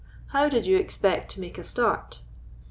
"How did you expect to make a start?"